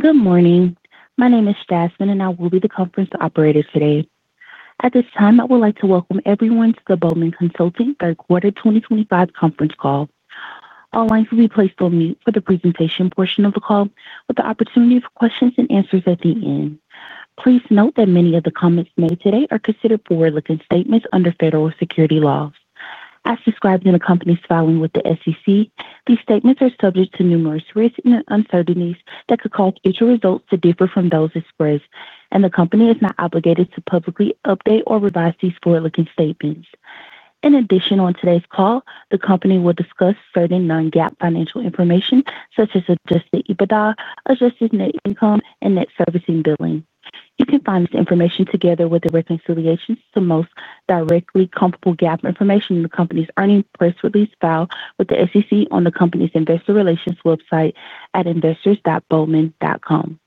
Good morning. My name is Jasmine, and I will be the conference operator today. At this time, I would like to welcome everyone to the Bowman Consulting third quarter 2025 conference call. All lines will be placed on mute for the presentation portion of the call, with the opportunity for questions and answers at the end. Please note that many of the comments made today are considered forward-looking statements under federal securities laws. As described in a company's filing with the SEC, these statements are subject to numerous risks and uncertainties that could cause future results to differ from those expressed, and the company is not obligated to publicly update or revise these forward-looking statements. In addition, on today's call, the company will discuss certain non-GAAP financial information, such as adjusted EBITDA, adjusted net income, and net service billing. You can find this information together with the reconciliations to most directly comparable GAAP information in the company's earnings press release filed with the SEC on the company's investor relations website at investors.bowman.com.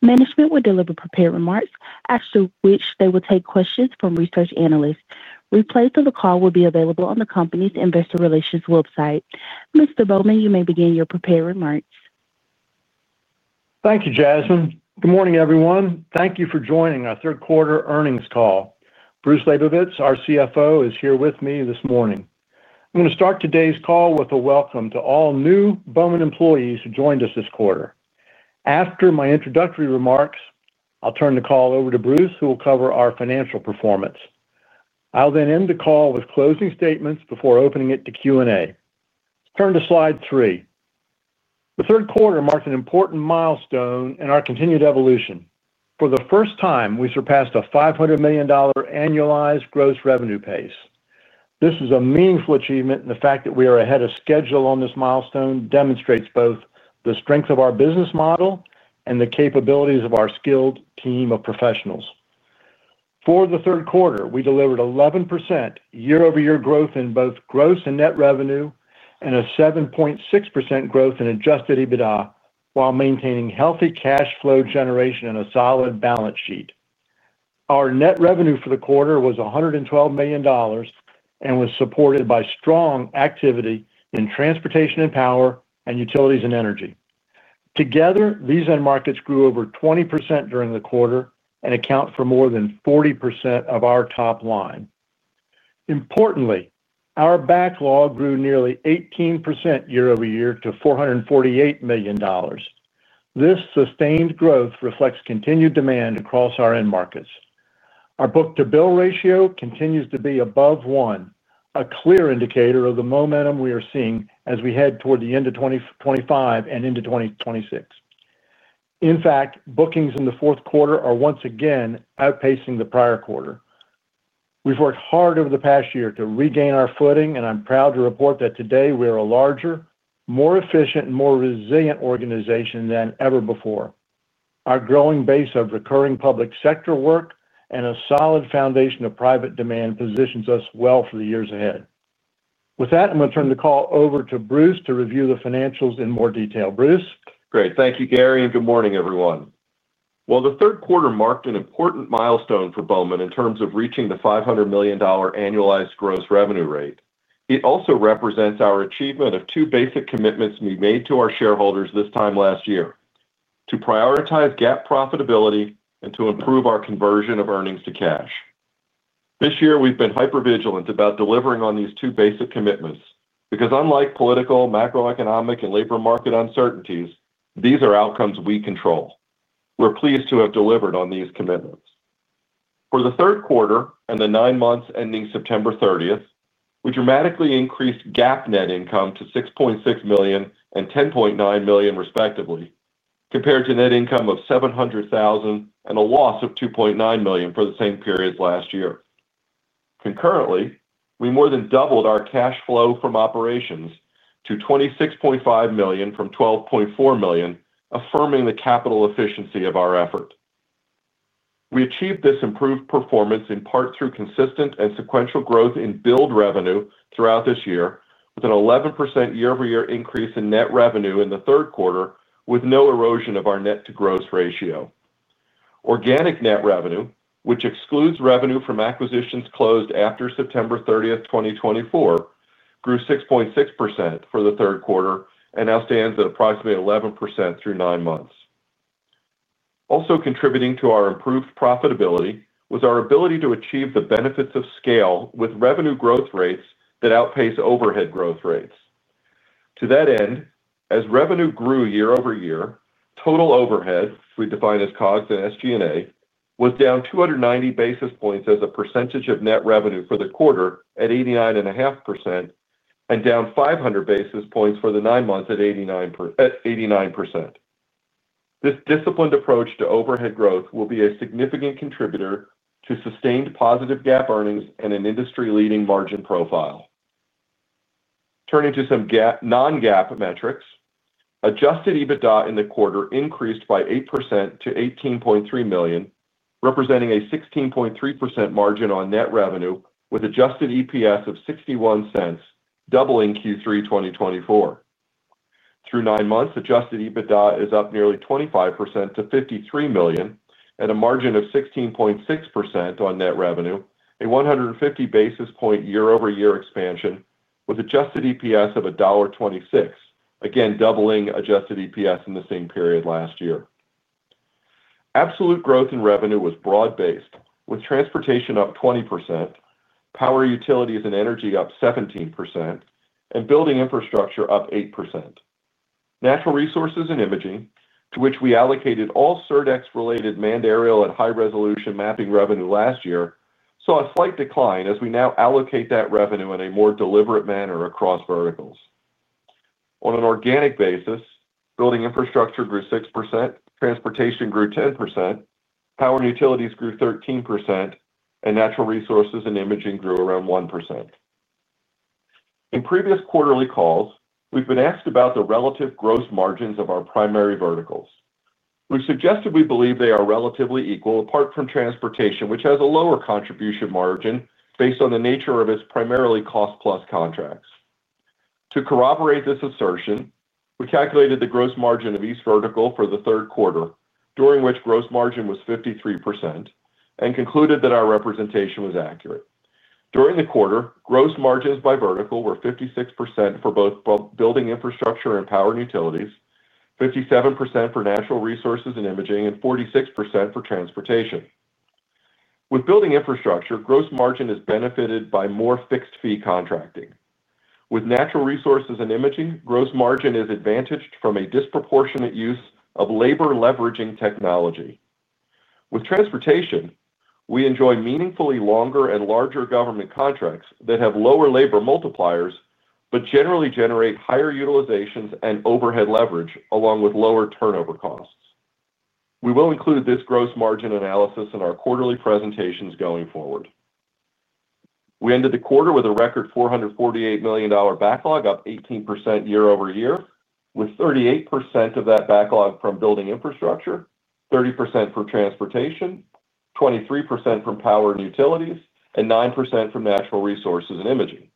Management will deliver prepared remarks after which they will take questions from research analysts. Replays of the call will be available on the company's investor relations website. Mr. Bowman, you may begin your prepared remarks. Thank you, Jasmine. Good morning, everyone. Thank you for joining our third quarter earnings call. Bruce Labovitz, our CFO, is here with me this morning. I'm going to start today's call with a welcome to all new Bowman employees who joined us this quarter. After my introductory remarks, I'll turn the call over to Bruce, who will cover our financial performance. I'll then end the call with closing statements before opening it to Q&A. Turn to slide three. The third quarter marked an important milestone in our continued evolution. For the first time, we surpassed a $500 million annualized gross revenue pace. This is a meaningful achievement, and the fact that we are ahead of schedule on this milestone demonstrates both the strength of our business model and the capabilities of our skilled team of professionals. For the third quarter, we delivered 11% year-over-year growth in both gross and net revenue and a 7.6% growth in adjusted EBITDA while maintaining healthy cash flow generation and a solid balance sheet. Our net revenue for the quarter was $112 million. It was supported by strong activity in transportation and power and utilities and energy. Together, these end markets grew over 20% during the quarter and account for more than 40% of our top line. Importantly, our backlog grew nearly 18% year-over-year to $448 million. This sustained growth reflects continued demand across our end markets. Our book-to-bill ratio continues to be above one, a clear indicator of the momentum we are seeing as we head toward the end of 2025 and into 2026. In fact, bookings in the fourth quarter are once again outpacing the prior quarter. We've worked hard over the past year to regain our footing, and I'm proud to report that today we are a larger, more efficient, and more resilient organization than ever before. Our growing base of recurring public sector work and a solid foundation of private demand positions us well for the years ahead. With that, I'm going to turn the call over to Bruce to review the financials in more detail. Bruce? Great. Thank you, Gary, and good morning, everyone. The third quarter marked an important milestone for Bowman in terms of reaching the $500 million annualized gross revenue rate. It also represents our achievement of two basic commitments we made to our shareholders this time last year: to prioritize GAAP profitability and to improve our conversion of earnings to cash. This year, we've been hypervigilant about delivering on these two basic commitments because, unlike political, macroeconomic, and labor market uncertainties, these are outcomes we control. We're pleased to have delivered on these commitments. For the third quarter and the nine months ending September 30th, we dramatically increased GAAP net income to $6.6 million and $10.9 million, respectively, compared to net income of $700,000 and a loss of $2.9 million for the same period last year. Concurrently, we more than doubled our cash flow from operations to $26.5 million from $12.4 million, affirming the capital efficiency of our effort. We achieved this improved performance in part through consistent and sequential growth in billed revenue throughout this year, with an 11% year-over-year increase in net revenue in the third quarter, with no erosion of our net-to-gross ratio. Organic net revenue, which excludes revenue from acquisitions closed after September 30th, 2024, grew 6.6% for the third quarter and now stands at approximately 11% through nine months. Also contributing to our improved profitability was our ability to achieve the benefits of scale with revenue growth rates that outpace overhead growth rates. To that end, as revenue grew year-over-year, total overhead, which we define as COGS and SG&A, was down 290 basis points as a percentage of net revenue for the quarter at 89.5% and down 500 basis points for the nine months at 89%. This disciplined approach to overhead growth will be a significant contributor to sustained positive GAAP earnings and an industry-leading margin profile. Turning to some non-GAAP metrics, adjusted EBITDA in the quarter increased by 8% to $18.3 million, representing a 16.3% margin on net revenue with adjusted EPS of $0.61, doubling Q3 2024. Through nine months, adjusted EBITDA is up nearly 25% to $53 million and a margin of 16.6% on net revenue, a 150 basis point year-over-year expansion with adjusted EPS of $1.26, again doubling adjusted EPS in the same period last year. Absolute growth in revenue was broad-based, with transportation up 20%. Power utilities and energy up 17%, and building infrastructure up 8%. Natural resources and imaging, to which we allocated all Surdex-related manned aerial and high-resolution mapping revenue last year, saw a slight decline as we now allocate that revenue in a more deliberate manner across verticals. On an organic basis, building infrastructure grew 6%, transportation grew 10%, power and utilities grew 13%, and natural resources and imaging grew around 1%. In previous quarterly calls, we've been asked about the relative gross margins of our primary verticals. We've suggested we believe they are relatively equal, apart from transportation, which has a lower contribution margin based on the nature of its primarily cost-plus contracts. To corroborate this assertion, we calculated the gross margin of each vertical for the third quarter, during which gross margin was 53%, and concluded that our representation was accurate. During the quarter, gross margins by vertical were 56% for both building infrastructure and power and utilities, 57% for natural resources and imaging, and 46% for transportation. With building infrastructure, gross margin is benefited by more fixed fee contracting. With natural resources and imaging, gross margin is advantaged from a disproportionate use of labor-leveraging technology. With transportation, we enjoy meaningfully longer and larger government contracts that have lower labor multipliers but generally generate higher utilizations and overhead leverage, along with lower turnover costs. We will include this gross margin analysis in our quarterly presentations going forward. We ended the quarter with a record $448 million backlog, up 18% year-over-year, with 38% of that backlog from building infrastructure, 30% from transportation, 23% from power and utilities, and 9% from natural resources and imaging.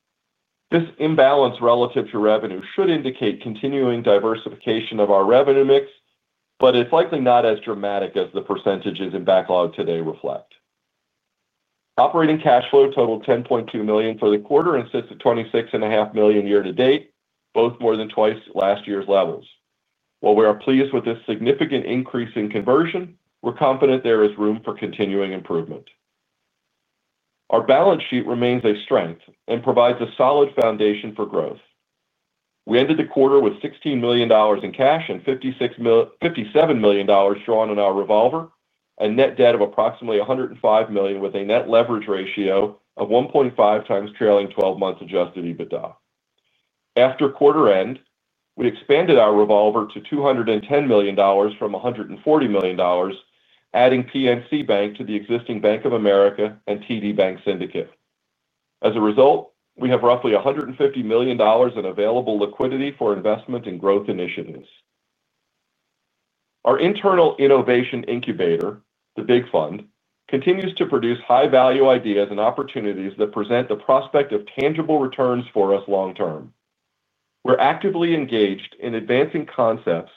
This imbalance relative to revenue should indicate continuing diversification of our revenue mix, but it's likely not as dramatic as the percentages in backlog today reflect. Operating cash flow totaled $10.2 million for the quarter and sits at $26.5 million year-to-date, both more than twice last year's levels. While we are pleased with this significant increase in conversion, we're confident there is room for continuing improvement. Our balance sheet remains a strength and provides a solid foundation for growth. We ended the quarter with $16 million in cash and $57 million drawn in our revolver, a net debt of approximately $105 million with a net leverage ratio of 1.5x trailing 12-month adjusted EBITDA. After quarter-end, we expanded our revolver to $210 million from $140 million, adding PNC Bank to the existing Bank of America and TD Bank syndicate. As a result, we have roughly $150 million in available liquidity for investment and growth initiatives. Our internal innovation incubator, the Big Fund, continues to produce high-value ideas and opportunities that present the prospect of tangible returns for us long-term. We're actively engaged in advancing concepts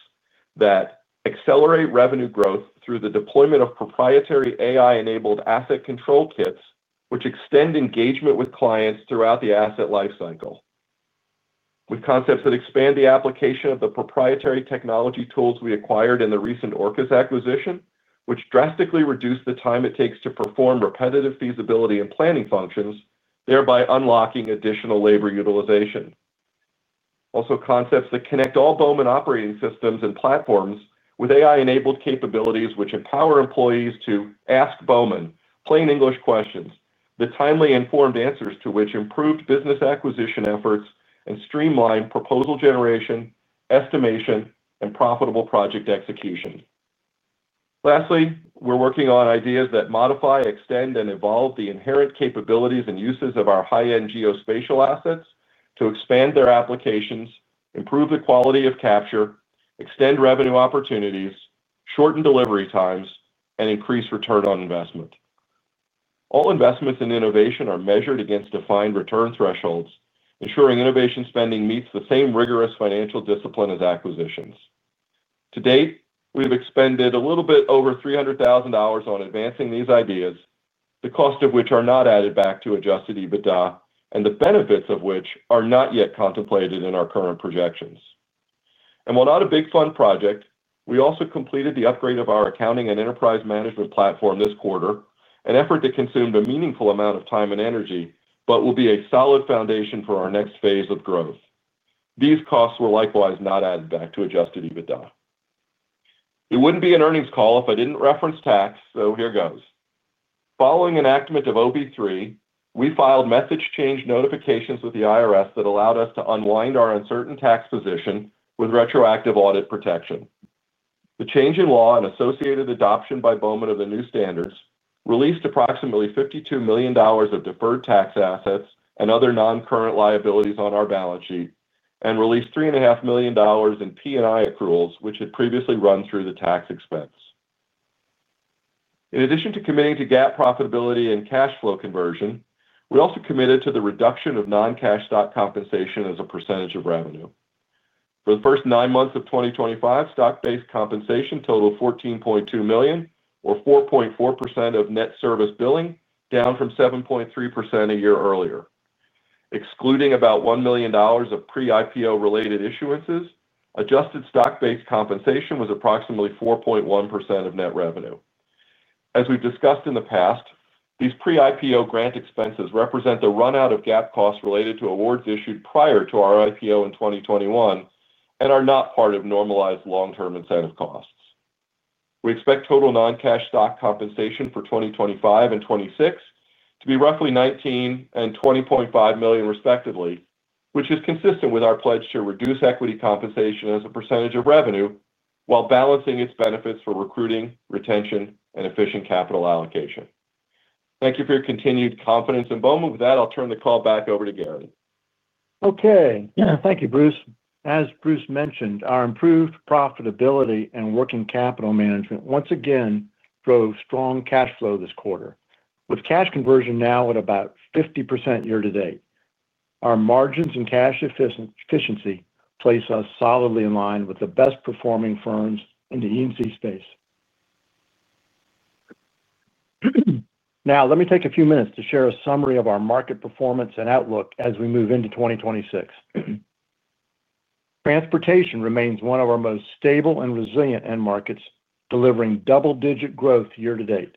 that accelerate revenue growth through the deployment of proprietary AI-enabled asset control kits, which extend engagement with clients throughout the asset lifecycle. With concepts that expand the application of the proprietary technology tools we acquired in the recent Orkus acquisition, which drastically reduced the time it takes to perform repetitive feasibility and planning functions, thereby unlocking additional labor utilization. Also, concepts that connect all Bowman operating systems and platforms with AI-enabled capabilities, which empower employees to ask Bowman plain English questions, the timely informed answers to which improved business acquisition efforts and streamline proposal generation, estimation, and profitable project execution. Lastly, we're working on ideas that modify, extend, and evolve the inherent capabilities and uses of our high-end geospatial assets to expand their applications, improve the quality of capture, extend revenue opportunities, shorten delivery times, and increase return on investment. All investments in innovation are measured against defined return thresholds, ensuring innovation spending meets the same rigorous financial discipline as acquisitions. To date, we have expended a little bit over $300,000 on advancing these ideas, the cost of which are not added back to adjusted EBITDA and the benefits of which are not yet contemplated in our current projections. While not a Big Fund project, we also completed the upgrade of our accounting and enterprise management platform this quarter, an effort that consumed a meaningful amount of time and energy but will be a solid foundation for our next phase of growth. These costs were likewise not added back to adjusted EBITDA. It would not be an earnings call if I did not reference tax, so here goes. Following enactment of OB-3, we filed message change notifications with the IRS that allowed us to unwind our uncertain tax position with retroactive audit protection. The change in law and associated adoption by Bowman of the new standards released approximately $52 million of deferred tax assets and other non-current liabilities on our balance sheet and released $3.5 million in P&I accruals, which had previously run through the tax expense. In addition to committing to GAAP profitability and cash flow conversion, we also committed to the reduction of non-cash stock compensation as a percentage of revenue. For the first nine months of 2025, stock-based compensation totaled $14.2 million, or 4.4% of net service billing, down from 7.3% a year earlier. Excluding about $1 million of pre-IPO-related issuances, adjusted stock-based compensation was approximately 4.1% of net revenue. As we've discussed in the past, these pre-IPO grant expenses represent the run-out of GAAP costs related to awards issued prior to our IPO in 2021 and are not part of normalized long-term incentive costs. We expect total non-cash stock compensation for 2025 and 2026 to be roughly $19 million and $20.5 million, respectively, which is consistent with our pledge to reduce equity compensation as a percentage of revenue while balancing its benefits for recruiting, retention, and efficient capital allocation. Thank you for your continued confidence in Bowman. With that, I'll turn the call back over to Gary. Okay. Thank you, Bruce. As Bruce mentioned, our improved profitability and working capital management once again drove strong cash flow this quarter, with cash conversion now at about 50% year-to-date. Our margins and cash efficiency place us solidly in line with the best-performing firms in the EMC space. Now, let me take a few minutes to share a summary of our market performance and outlook as we move into 2026. Transportation remains one of our most stable and resilient end markets, delivering double-digit growth year-to-date.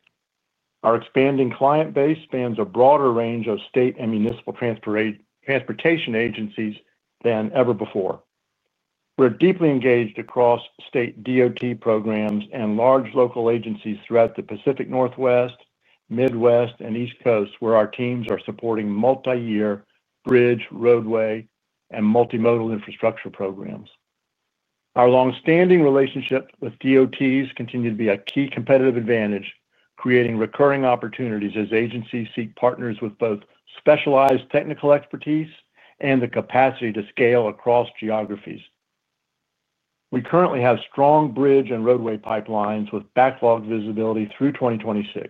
Our expanding client base spans a broader range of state and municipal transportation agencies than ever before. We're deeply engaged across state DOT programs and large local agencies throughout the Pacific Northwest, Midwest, and East Coast, where our teams are supporting multi-year bridge, roadway, and multimodal infrastructure programs. Our longstanding relationship with DOTs continues to be a key competitive advantage, creating recurring opportunities as agencies seek partners with both specialized technical expertise and the capacity to scale across geographies. We currently have strong bridge and roadway pipelines with backlog visibility through 2026.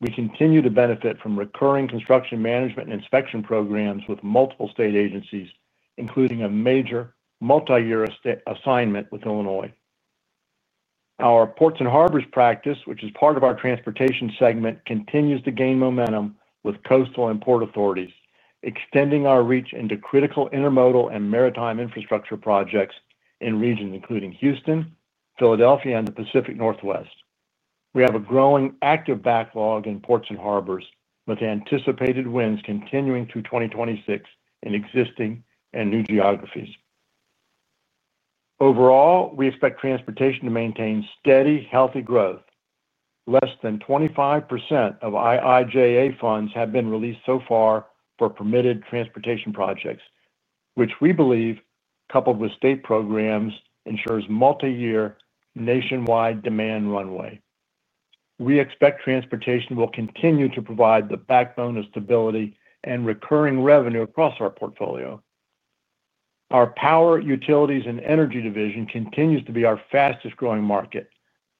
We continue to benefit from recurring construction management and inspection programs with multiple state agencies, including a major multi-year assignment with Illinois. Our ports and harbors practice, which is part of our transportation segment, continues to gain momentum with coastal and port authorities, extending our reach into critical intermodal and maritime infrastructure projects in regions including Houston, Philadelphia, and the Pacific Northwest. We have a growing active backlog in ports and harbors, with anticipated wins continuing through 2026 in existing and new geographies. Overall, we expect transportation to maintain steady, healthy growth. Less than 25% of IIJA funds have been released so far for permitted transportation projects, which we believe, coupled with state programs, ensures multi-year nationwide demand runway. We expect transportation will continue to provide the backbone of stability and recurring revenue across our portfolio. Our power, utilities, and energy division continues to be our fastest-growing market,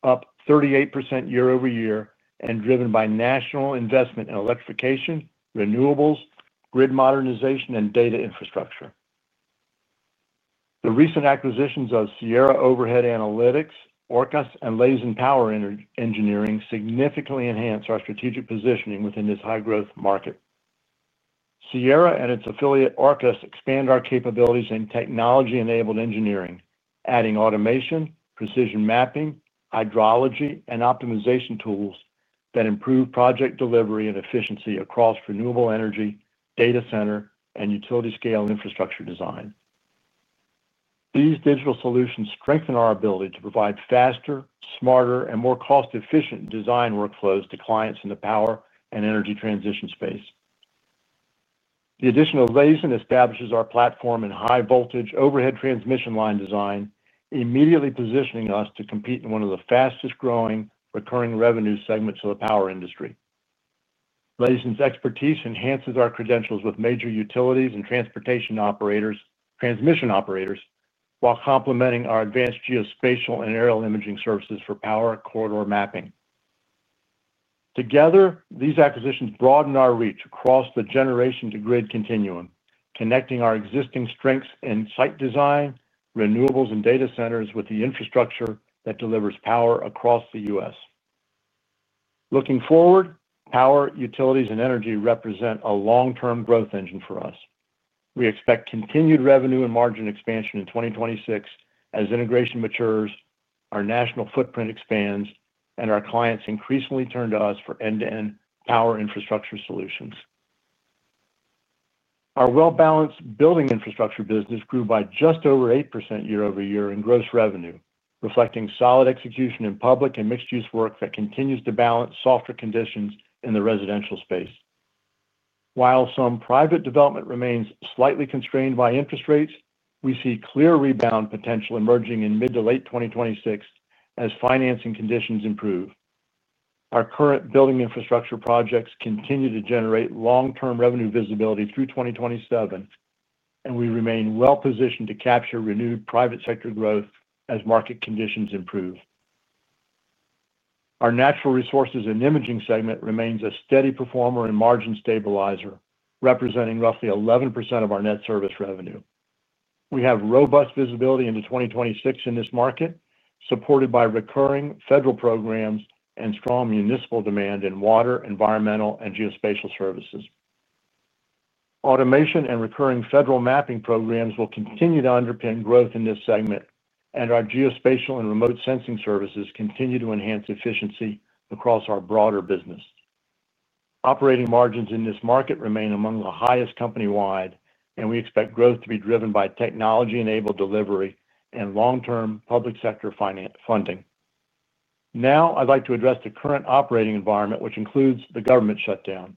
up 38% year-over-year and driven by national investment in electrification, renewables, grid modernization, and data infrastructure. The recent acquisitions of Sierra Overhead Analytics, Orkus, and Lays & Co. significantly enhance our strategic positioning within this high-growth market. Sierra and its affiliate Orkus expand our capabilities in technology-enabled engineering, adding automation, precision mapping, hydrology, and optimization tools that improve project delivery and efficiency across renewable energy, data center, and utility-scale infrastructure design. These digital solutions strengthen our ability to provide faster, smarter, and more cost-efficient design workflows to clients in the power and energy transition space. The addition of Lays establishes our platform in high-voltage overhead transmission line design, immediately positioning us to compete in one of the fastest-growing recurring revenue segments of the power industry. Lays expertise enhances our credentials with major utilities and transportation transmission operators, while complementing our advanced geospatial and aerial imaging services for power corridor mapping. Together, these acquisitions broaden our reach across the generation-to-grid continuum, connecting our existing strengths in site design, renewables, and data centers with the infrastructure that delivers power across the U.S. Looking forward, power, utilities, and energy represent a long-term growth engine for us. We expect continued revenue and margin expansion in 2026 as integration matures, our national footprint expands, and our clients increasingly turn to us for end-to-end power infrastructure solutions. Our well-balanced building infrastructure business grew by just over 8% year-over-year in gross revenue, reflecting solid execution in public and mixed-use work that continues to balance softer conditions in the residential space. While some private development remains slightly constrained by interest rates, we see clear rebound potential emerging in mid to late 2026 as financing conditions improve. Our current building infrastructure projects continue to generate long-term revenue visibility through 2027, and we remain well-positioned to capture renewed private sector growth as market conditions improve. Our natural resources and imaging segment remains a steady performer and margin stabilizer, representing roughly 11% of our net service revenue. We have robust visibility into 2026 in this market, supported by recurring federal programs and strong municipal demand in water, environmental, and geospatial services. Automation and recurring federal mapping programs will continue to underpin growth in this segment, and our geospatial and remote sensing services continue to enhance efficiency across our broader business. Operating margins in this market remain among the highest company-wide, and we expect growth to be driven by technology-enabled delivery and long-term public sector funding. Now, I'd like to address the current operating environment, which includes the government shutdown.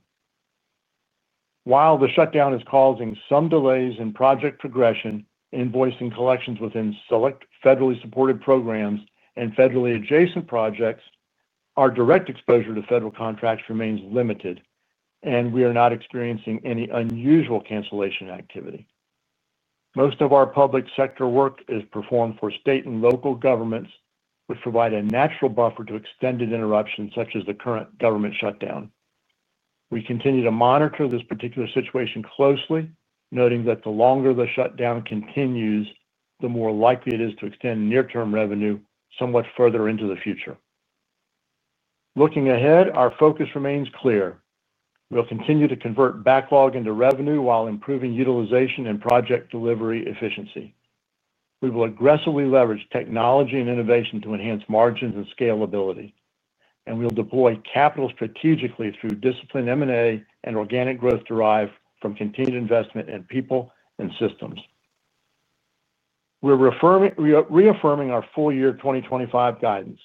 While the shutdown is causing some delays in project progression, invoicing collections within select federally supported programs and federally adjacent projects, our direct exposure to federal contracts remains limited, and we are not experiencing any unusual cancellation activity. Most of our public sector work is performed for state and local governments, which provide a natural buffer to extended interruptions such as the current government shutdown. We continue to monitor this particular situation closely, noting that the longer the shutdown continues, the more likely it is to extend near-term revenue somewhat further into the future. Looking ahead, our focus remains clear. We'll continue to convert backlog into revenue while improving utilization and project delivery efficiency. We will aggressively leverage technology and innovation to enhance margins and scalability, and we'll deploy capital strategically through disciplined M&A and organic growth derived from continued investment in people and systems. We're reaffirming our full year 2025 guidance.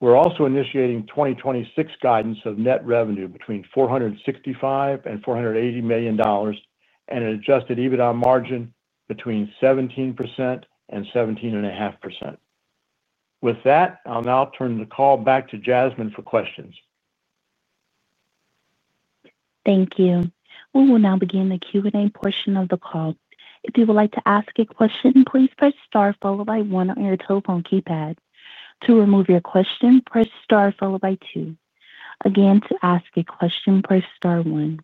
We're also initiating 2026 guidance of net revenue between $465 million and $480 million and an adjusted EBITDA margin between 17% and 17.5%. With that, I'll now turn the call back to Jasmine for questions. Thank you. We will now begin the Q&A portion of the call. If you would like to ask a question, please press Star followed by one on your telephone keypad. To remove your question, press Star followed by two. Again, to ask a question, press Star one.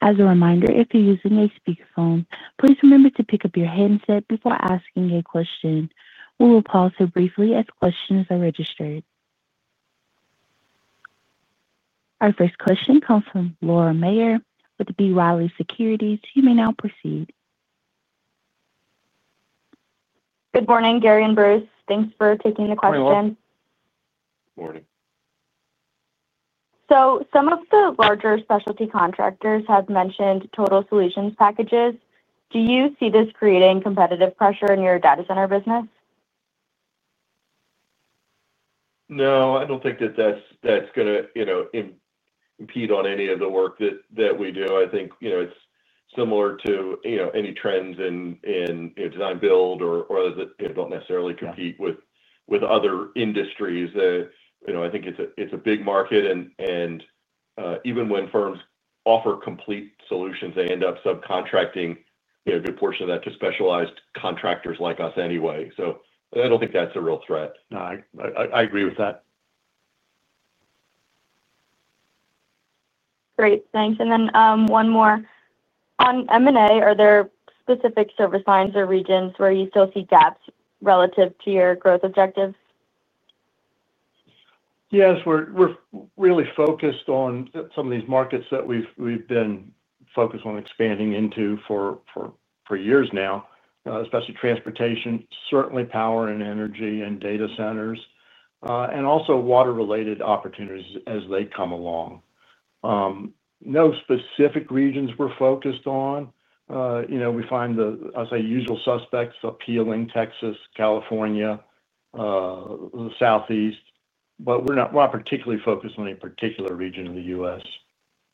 As a reminder, if you're using a speakerphone, please remember to pick up your headset before asking a question. We will pause briefly as questions are registered. Our first question comes from Laura Mayer with B. Riley Securities. You may now proceed. Good morning, Gary and Bruce. Thanks for taking the question. Morning. Some of the larger specialty contractors have mentioned Total Solutions packages. Do you see this creating competitive pressure in your data center business? No, I do not think that that is going to impede on any of the work that we do. I think it is similar to any trends in design build or do not necessarily compete with other industries. I think it is a big market, and even when firms offer complete solutions, they end up subcontracting a good portion of that to specialized contractors like us anyway. I do not think that is a real threat. No, I agree with that. Great. Thanks. And then one more. On M&A, are there specific service lines or regions where you still see gaps relative to your growth objectives? Yes. We're really focused on some of these markets that we've been focused on expanding into for years now, especially transportation, certainly power and energy and data centers, and also water-related opportunities as they come along. No specific regions we're focused on. We find the, I'll say, usual suspects: appealing, Texas, California, Southeast, but we're not particularly focused on any particular region of the U.S.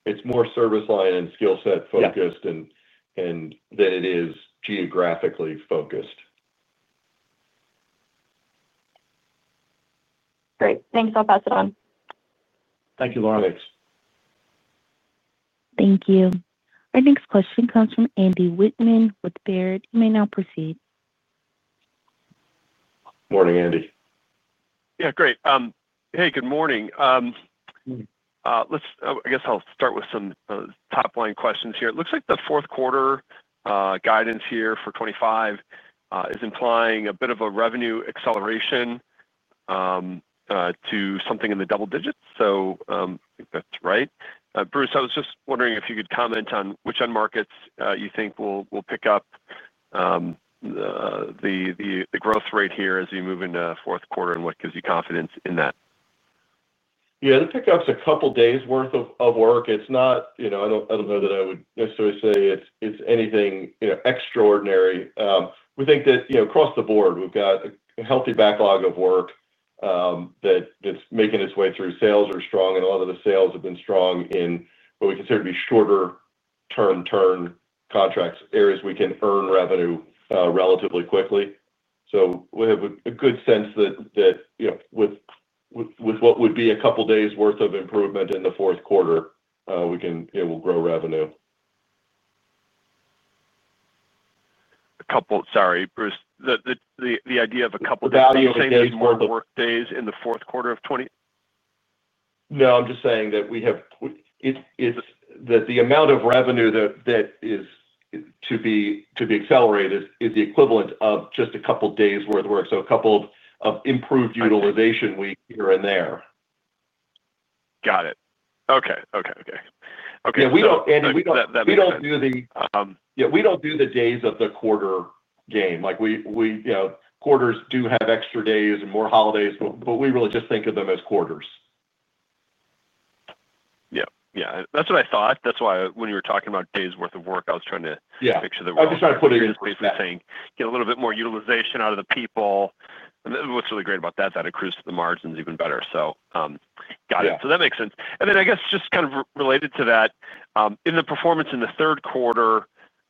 It's more service line and skill set focused than it is geographically focused. Great. Thanks. I'll pass it on. Thank you, Laura. Thanks. Thank you. Our next question comes from Andy Wittmann with Baird. You may now proceed. Morning, Andy. Yeah, great. Hey, good morning. I guess I'll start with some top-line questions here. It looks like the fourth-quarter guidance here for 2025 is implying a bit of a revenue acceleration to something in the double digits. That's right. Bruce, I was just wondering if you could comment on which end markets you think will pick up the growth rate here as you move into the fourth quarter and what gives you confidence in that? Yeah, it picked up a couple of days' worth of work. It's not—I don't know that I would necessarily say it's anything extraordinary. We think that across the board, we've got a healthy backlog of work. That's making its way through. Sales are strong, and a lot of the sales have been strong in what we consider to be shorter-term turn contracts, areas we can earn revenue relatively quickly. We have a good sense that, with what would be a couple of days' worth of improvement in the fourth quarter, we'll grow revenue. Sorry, Bruce. The idea of a couple of days' worth of workdays in the fourth quarter of 2020? No, I'm just saying that we have— It's that the amount of revenue that is to be accelerated is the equivalent of just a couple of days' worth of work. So a couple of improved utilization weeks here and there. Got it. Okay. Yeah, we do not do the— Yeah, we do not do the days of the quarter game. Quarters do have extra days and more holidays, but we really just think of them as quarters. Yeah. Yeah. That's what I thought. That's why when you were talking about days' worth of work, I was trying to picture the work. Yeah. I was just trying to put it in a different thing. Get a little bit more utilization out of the people. What's really great about that is that it accrues to the margins even better. Got it. That makes sense. I guess just kind of related to that, in the performance in the third quarter,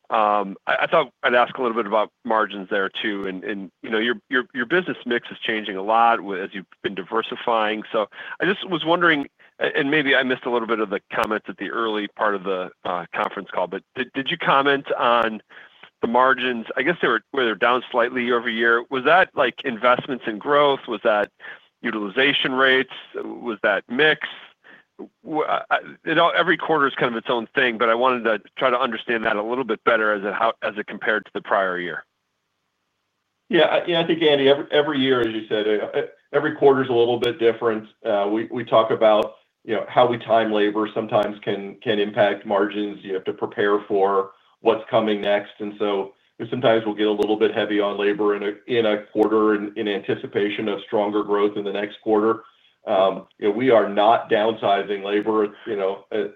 I thought I'd ask a little bit about margins there too. Your business mix is changing a lot as you've been diversifying. I just was wondering, and maybe I missed a little bit of the comments at the early part of the conference call, but did you comment on the margins? I guess they were down slightly year over year. Was that investments in growth? Was that utilization rates? Was that mix? Every quarter is kind of its own thing, but I wanted to try to understand that a little bit better as it compared to the prior year. Yeah. Yeah, I think, Andy, every year, as you said, every quarter is a little bit different. We talk about how we time labor sometimes can impact margins. You have to prepare for what's coming next. Sometimes we'll get a little bit heavy on labor in a quarter in anticipation of stronger growth in the next quarter. We are not downsizing labor.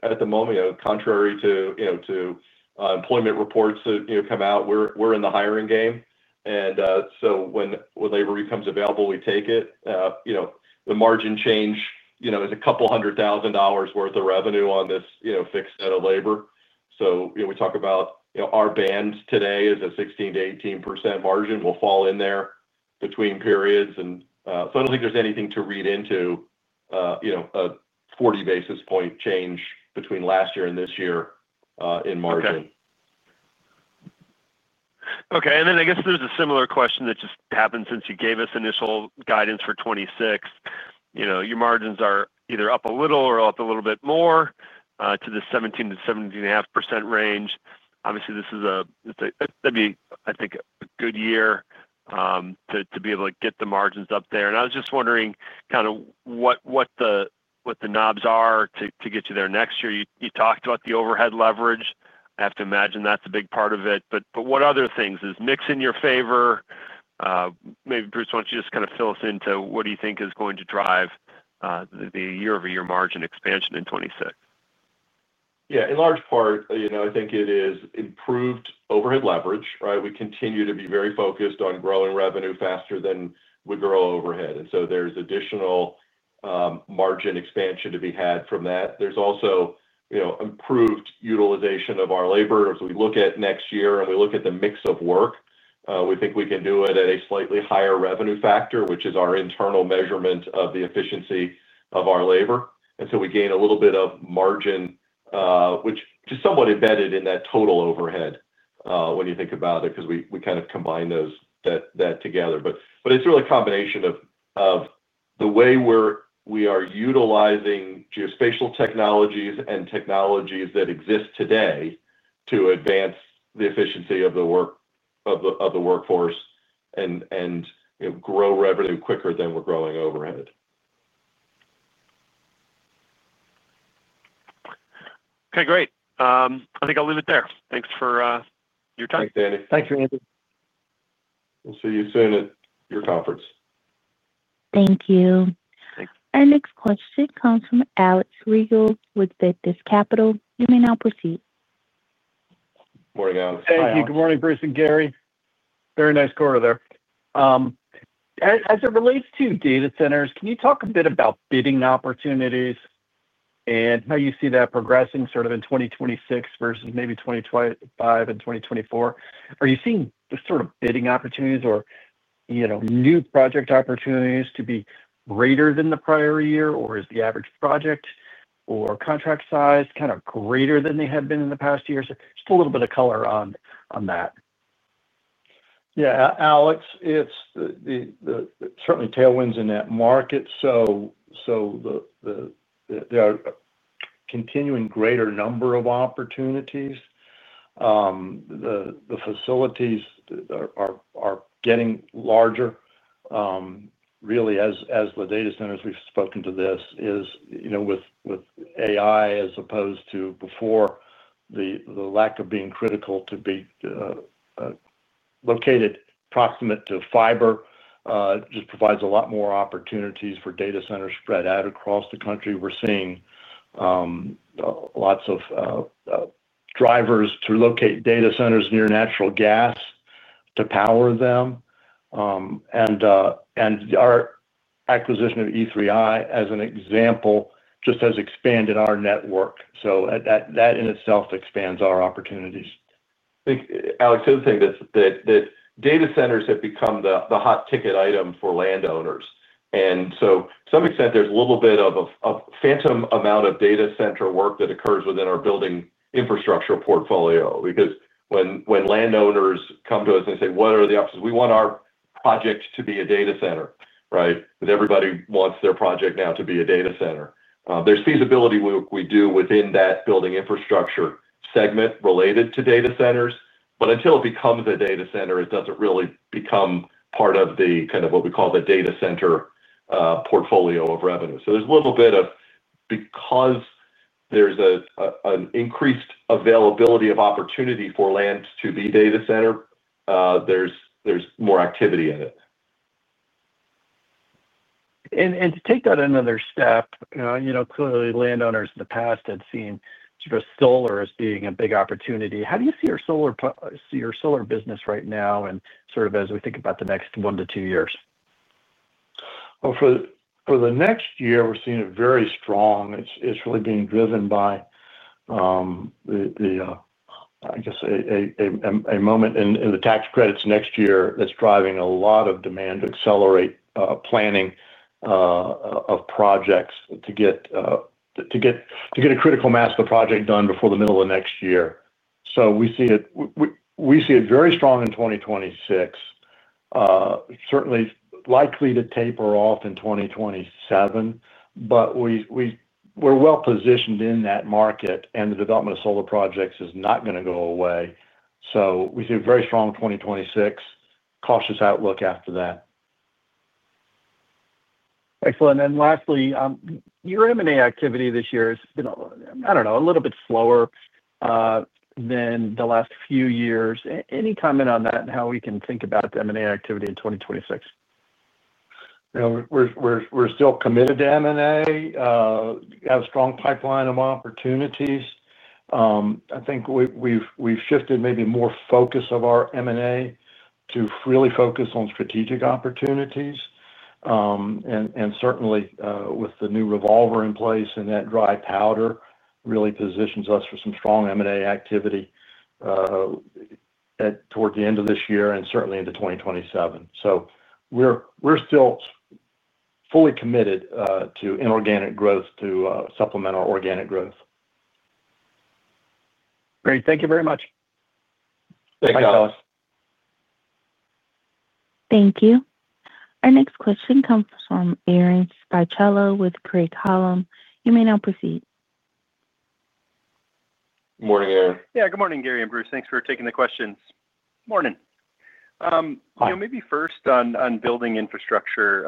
At the moment, contrary to employment reports that come out, we're in the hiring game. When labor becomes available, we take it. The margin change is a couple hundred thousand dollars' worth of revenue on this fixed set of labor. We talk about our band today is a 16-18% margin. We'll fall in there between periods. I don't think there's anything to read into a 40 basis point change between last year and this year in margin. Okay. Okay. I guess there is a similar question that just happened since you gave us initial guidance for 2026. Your margins are either up a little or up a little bit more to the 17-17.5% range. Obviously, this is a— That would be, I think, a good year to be able to get the margins up there. I was just wondering kind of what the knobs are to get you there next year. You talked about the overhead leverage. I have to imagine that is a big part of it. What other things? Is mix in your favor? Maybe, Bruce, why do you not just kind of fill us in to what you think is going to drive the year-over-year margin expansion in 2026? Yeah. In large part, I think it is improved overhead leverage, right? We continue to be very focused on growing revenue faster than we grow overhead. There is additional margin expansion to be had from that. There is also improved utilization of our labor. We look at next year and we look at the mix of work. We think we can do it at a slightly higher revenue factor, which is our internal measurement of the efficiency of our labor. We gain a little bit of margin, which is somewhat embedded in that total overhead when you think about it because we kind of combine that together. It is really a combination of the way we are utilizing geospatial technologies and technologies that exist today to advance the efficiency of the workforce and grow revenue quicker than we are growing overhead. Okay. Great. I think I'll leave it there. Thanks for your time. Thanks, Andy. Thanks for answering. We'll see you soon at your conference. Thank you. Our next question comes from Alex Rygiel with Texas Capital. You may now proceed. Morning, Alex. Thank you. Good morning, Bruce and Gary. Very nice quarter there. As it relates to data centers, can you talk a bit about bidding opportunities, and how you see that progressing sort of in 2026 versus maybe 2025 and 2024? Are you seeing the sort of bidding opportunities or new project opportunities to be greater than the prior year, or is the average project or contract size kind of greater than they had been in the past year? Just a little bit of color on that. Yeah. Alex, certainly, tailwinds in that market. There are a continuing greater number of opportunities. The facilities are getting larger. Really, as the data centers we've spoken to, this is with AI as opposed to before, the lack of being critical to be located proximate to fiber just provides a lot more opportunities for data centers spread out across the country. We're seeing. Lots of drivers to locate data centers near natural gas to power them. Our acquisition of E3I, as an example, just has expanded our network. That in itself expands our opportunities. I think, Alex, the other thing that data centers have become the hot ticket item for landowners. To some extent, there's a little bit of a phantom amount of data center work that occurs within our building infrastructure portfolio because when landowners come to us and say, "What are the options? We want our project to be a data center," right? Because everybody wants their project now to be a data center. There's feasibility we do within that building infrastructure segment related to data centers. Until it becomes a data center, it doesn't really become part of the kind of what we call the data center portfolio of revenue. There's a little bit of, because there's an increased availability of opportunity for land to be data center, there's more activity in it. To take that another step, clearly, landowners in the past had seen sort of solar as being a big opportunity. How do you see your solar business right now and sort of as we think about the next one to two years? For the next year, we're seeing it very strong. It's really being driven by, I guess, a moment in the tax credits next year that's driving a lot of demand. Accelerate planning of projects to get a critical mass of the project done before the middle of next year. We see it very strong in 2026. Certainly likely to taper off in 2027, but we're well positioned in that market, and the development of solar projects is not going to go away. We see a very strong 2026. Cautious outlook after that. Excellent. Lastly, your M&A activity this year has been, I don't know, a little bit slower than the last few years. Any comment on that and how we can think about the M&A activity in 2026? We're still committed to M&A. Have a strong pipeline of opportunities. I think we've shifted maybe more focus of our M&A to really focus on strategic opportunities. Certainly, with the new revolver in place and that dry powder really positions us for some strong M&A activity toward the end of this year and certainly into 2027. We're still fully committed to inorganic growth to supplement our organic growth. Great. Thank you very much. Thanks, Alex. Thank you. Our next question comes from Aaron Spychalla with Craig Hallum. You may now proceed. Morning, Aaron. Yeah. Good morning, Gary and Bruce. Thanks for taking the questions. Morning. Maybe first on building infrastructure,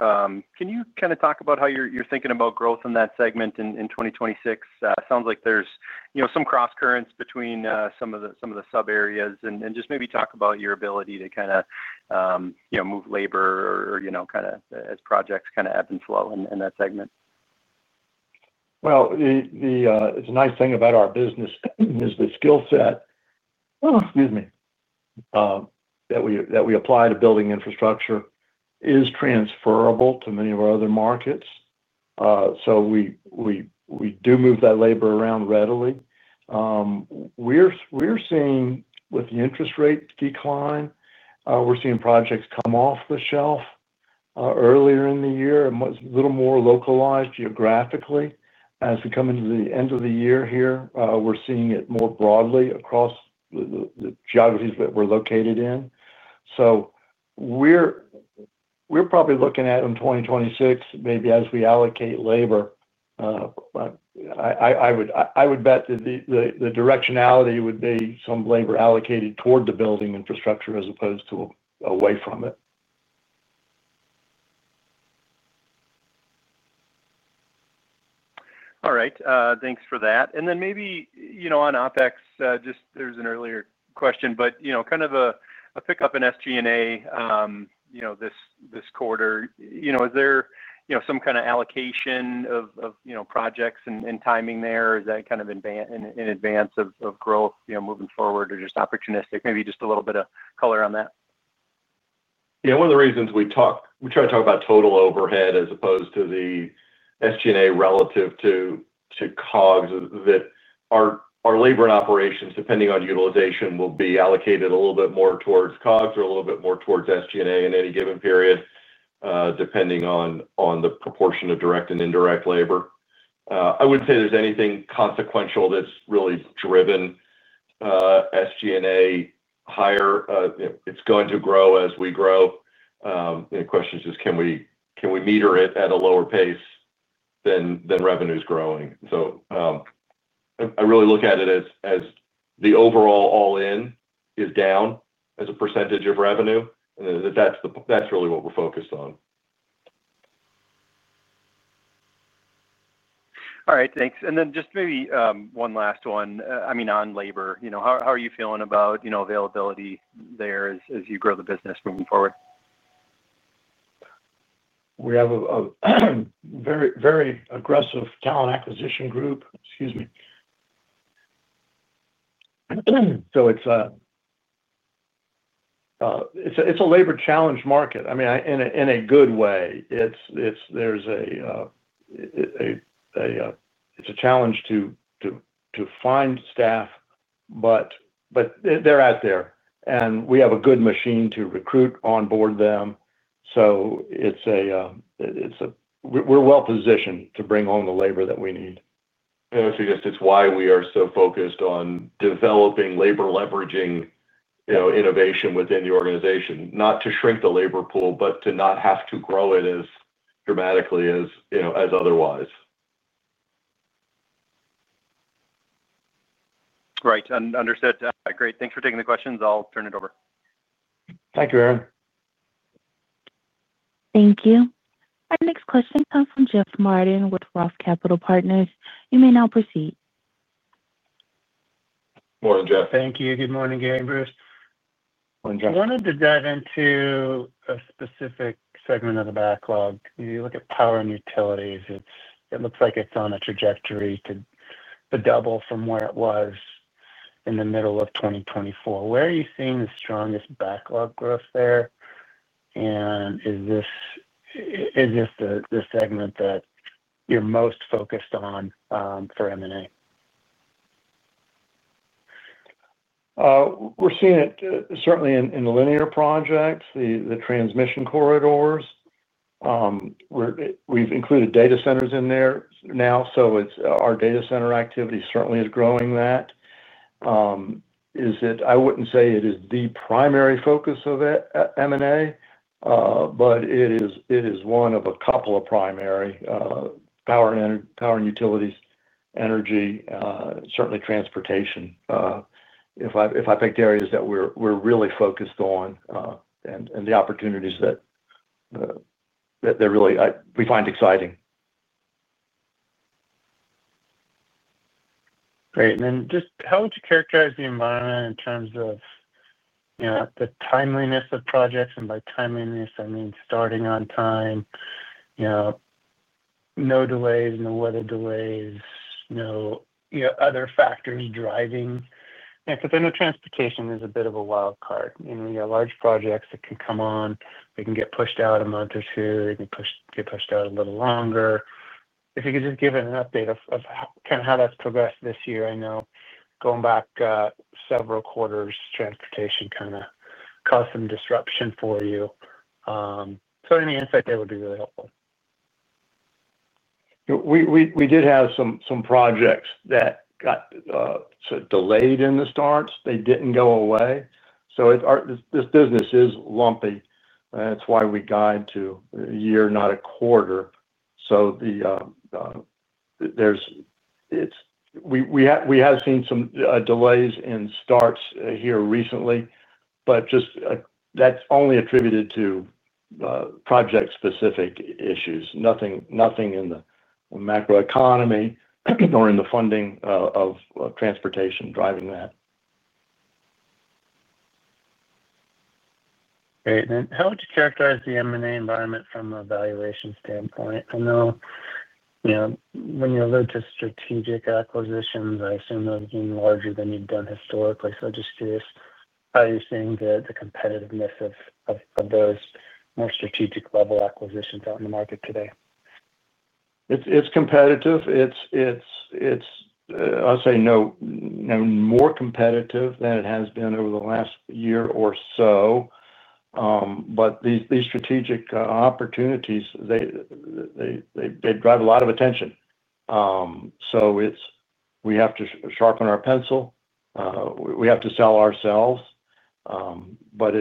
can you kind of talk about how you're thinking about growth in that segment in 2026? It sounds like there's some cross currents between some of the sub-areas and just maybe talk about your ability to kind of move labor or kind of as projects kind of ebb and flow in that segment. The nice thing about our business is the skill set, excuse me, that we apply to building infrastructure is transferable to many of our other markets. We do move that labor around readily. We're seeing with the interest rate decline, we're seeing projects come off the shelf earlier in the year and a little more localized geographically. As we come into the end of the year here, we're seeing it more broadly across the geographies that we're located in. We're probably looking at in 2026, maybe as we allocate labor. I would bet that the directionality would be some labor allocated toward the building infrastructure as opposed to away from it. All right. Thanks for that. Maybe on OPEX, just there's an earlier question, but kind of a pickup in SG&A this quarter. Is there some kind of allocation of projects and timing there? Is that kind of in advance of growth moving forward or just opportunistic? Maybe just a little bit of color on that. Yeah. One of the reasons we try to talk about total overhead as opposed to the SG&A relative to COGS is that our labor and operations, depending on utilization, will be allocated a little bit more towards COGS or a little bit more towards SG&A in any given period. Depending on the proportion of direct and indirect labor. I would not say there is anything consequential that has really driven SG&A higher. It is going to grow as we grow. The question is just, can we meter it at a lower pace than revenue is growing? I really look at it as the overall all-in is down as a percentage of revenue. That is really what we are focused on. All right. Thanks. I mean, just maybe one last one. I mean, on labor, how are you feeling about availability there as you grow the business moving forward? We have a very aggressive talent acquisition group. Excuse me. So it's a labor challenge market. I mean, in a good way. It's a challenge to find staff, but they're out there. And we have a good machine to recruit, onboard them. We're well positioned to bring on the labor that we need. I would suggest it's why we are so focused on developing labor-leveraging innovation within the organization. Not to shrink the labor pool, but to not have to grow it as dramatically as otherwise. Right. Understood. Great. Thanks for taking the questions. I'll turn it over. Thank you, Aaron. Thank you. Our next question comes from Jeff Martin with Roth Capital Partners. You may now proceed. Morning, Jeff. Thank you. Good morning, Gary, Bruce. Morning, Jeff. I wanted to dive into a specific segment of the backlog. You look at power and utilities. It looks like it's on a trajectory to double from where it was in the middle of 2024. Where are you seeing the strongest backlog growth there? Is this the segment that you're most focused on for M&A? We're seeing it certainly in the linear projects, the transmission corridors. We've included data centers in there now. Our data center activity certainly is growing that. I wouldn't say it is the primary focus of M&A, but it is one of a couple of primary. Power and utilities, energy, certainly transportation. If I picked areas that we're really focused on and the opportunities that we find exciting. Great. How would you characterize the environment in terms of the timeliness of projects? By timeliness, I mean starting on time, no delays in the weather delays, no other factors driving. I know transportation is a bit of a wild card. You know, you have large projects that can come on, they can get pushed out a month or two, they can get pushed out a little longer. If you could just give an update of kind of how that's progressed this year. I know going back several quarters, transportation kind of caused some disruption for you. Any insight there would be really helpful. We did have some projects that got delayed in the starts. They didn't go away. This business is lumpy. That's why we guide to a year, not a quarter. We have seen some delays in starts here recently, but that's only attributed to project-specific issues. Nothing in the macroeconomy or in the funding of transportation driving that. Great. How would you characterize the M&A environment from an evaluation standpoint? I know. When you alluded to strategic acquisitions, I assume those are getting larger than you've done historically. I'm just curious how you're seeing the competitiveness of those more strategic-level acquisitions out in the market today. It's competitive. I'll say no, more competitive than it has been over the last year or so. But these strategic opportunities, they drive a lot of attention. So we have to sharpen our pencil. We have to sell ourselves. But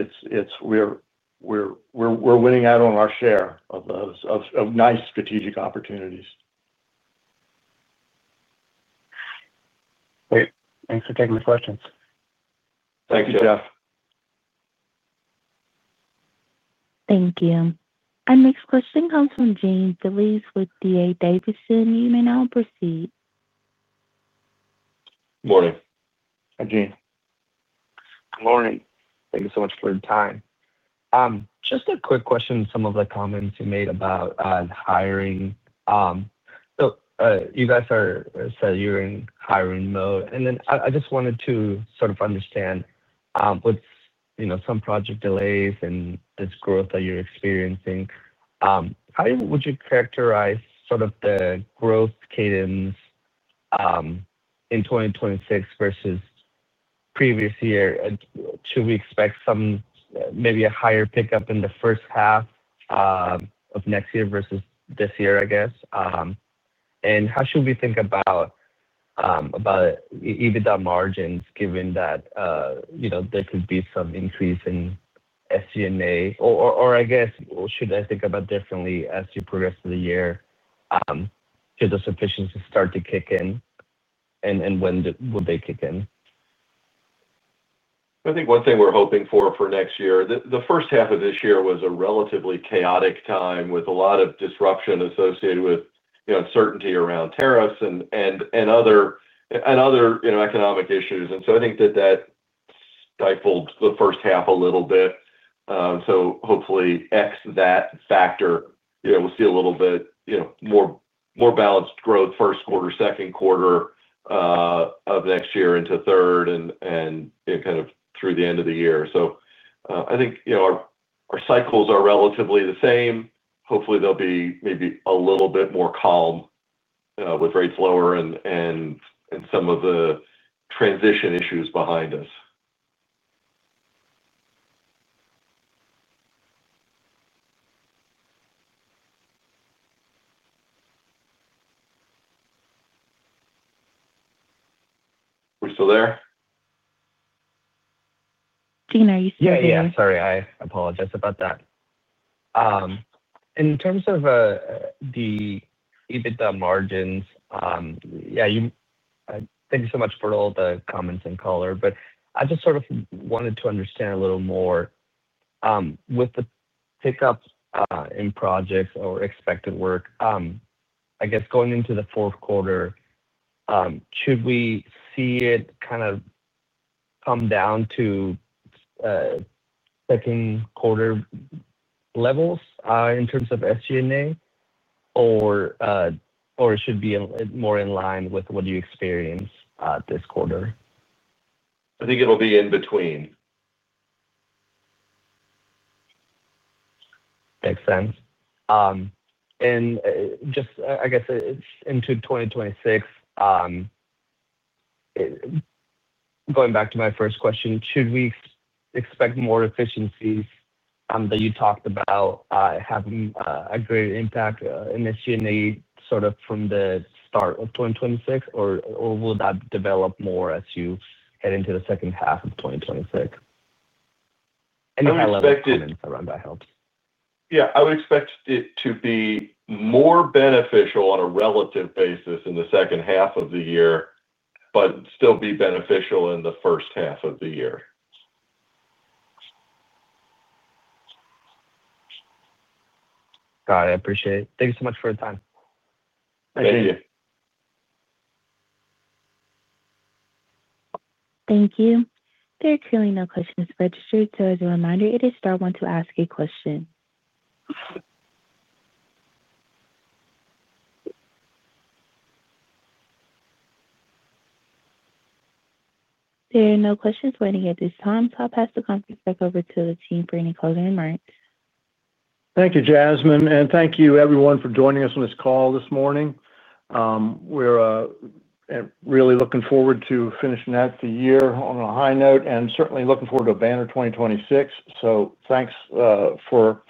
we're winning out on our share of nice strategic opportunities. Great. Thanks for taking the questions. Thank you, Jeff. Thank you. Our next question comes from Jean Veliz with DA Davidson. You may now proceed. Morning. Hi, Jean. Good morning. Thank you so much for your time. Just a quick question on some of the comments you made about hiring. You guys said you're in hiring mode. I just wanted to sort of understand, with some project delays and this growth that you're experiencing, how would you characterize sort of the growth cadence in 2026 versus the previous year? Should we expect maybe a higher pickup in the first half of next year versus this year, I guess? How should we think about EBITDA margins given that there could be some increase in SG&A? Or, I guess, should I think about it differently as you progress through the year? Should the sufficiency start to kick in, and when will they kick in? I think one thing we're hoping for for next year, the first half of this year was a relatively chaotic time with a lot of disruption associated with uncertainty around tariffs and other economic issues. I think that stifled the first half a little bit. Hopefully, X that factor, we'll see a little bit more balanced growth, first quarter, second quarter of next year into third, and kind of through the end of the year. I think our cycles are relatively the same. Hopefully, they'll be maybe a little bit more calm, with rates lower and some of the transition issues behind us. We're still there? Jean, are you still there? Yeah. Sorry. I apologize about that. In terms of the EBITDA margins, yeah. Thank you so much for all the comments and color, but I just sort of wanted to understand a little more. With the pickup in projects or expected work, I guess going into the fourth quarter, should we see it kind of come down to second quarter levels in terms of SG&A? Or it should be more in line with what you experience this quarter? I think it'll be in between. Makes sense. Just, I guess, into 2026. Going back to my first question, should we expect more efficiencies that you talked about to have a greater impact in SG&A sort of from the start of 2026? Or will that develop more as you head into the second half of 2026? Any kind of comments around that help? Yeah. I would expect it to be more beneficial on a relative basis in the second half of the year, but still be beneficial in the first half of the year. Got it. I appreciate it. Thank you so much for your time. Thank you. Thank you. There are currently no questions registered. As a reminder, it is Star 1 to ask a question. There are no questions waiting at this time. I will pass the conference back over to the team for any closing remarks. Thank you, Jasmine. Thank you, everyone, for joining us on this call this morning. We are really looking forward to finishing out the year on a high note and certainly looking forward to a banner 2026. Thanks for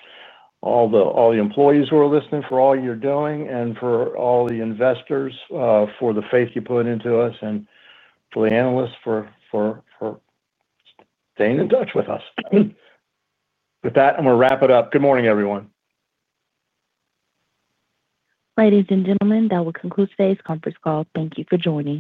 all the employees who are listening, for all you are doing, and for all the investors, for the faith you put into us, and for the analysts for staying in touch with us. With that, I am going to wrap it up. Good morning, everyone. Ladies and gentlemen, that will conclude today's conference call. Thank you for joining.